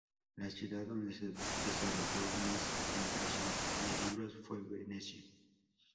La ciudad donde se desarrolló más la impresión de libros fue Venecia.